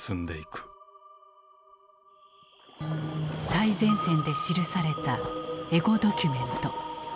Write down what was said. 最前線で記されたエゴドキュメント。